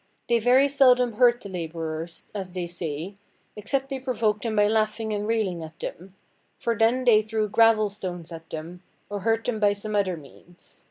They very seldome hurte the labourers (as they say) except they provoke them by laughing and rayling at them, for then they threw gravel stones at them, or hurt them by some other means.